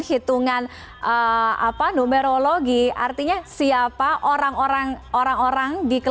artinya pada saat kita berbicara mengenai angka